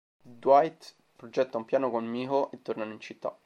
Dwight progetta un piano con Miho e tornano in città.